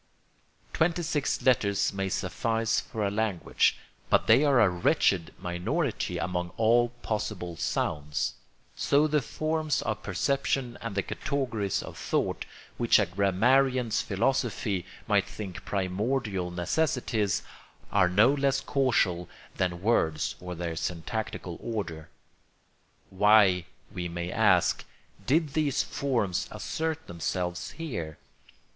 Twenty six letters may suffice for a language, but they are a wretched minority among all possible sounds. So the forms of perception and the categories of thought, which a grammarian's philosophy might think primordial necessities, are no less casual than words or their syntactical order. Why, we may ask, did these forms assert themselves here?